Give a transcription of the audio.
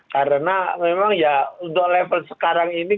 karena memang ya untuk level sekarang ini